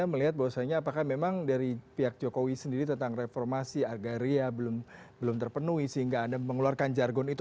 melihat bahwasannya apakah memang dari pihak jokowi sendiri tentang reformasi agraria belum terpenuhi sehingga anda mengeluarkan jargon itu